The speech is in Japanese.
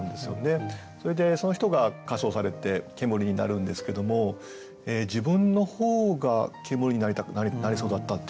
それでその人が火葬されて煙になるんですけども自分の方が煙になりそうだったっていうね